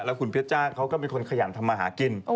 แล้วคุณพริกจ้าเขาก็มีคนขยันทำงานทำหากิน